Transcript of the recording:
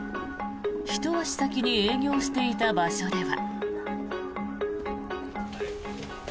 ひと足先に営業していた場所では。